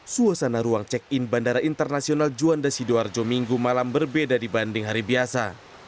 suasana ruang check in bandara internasional juanda sidoarjo minggu malam berbeda dibanding hari biasa